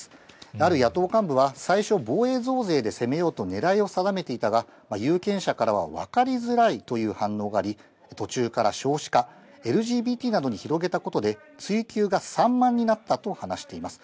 ある野党幹部は、最初、防衛増税で攻めようとねらいを定めていたが、有権者からは分かりづらいという反応があり、途中から少子化、ＬＧＢＴなどに広げたことで、追及が散漫になったと話しています。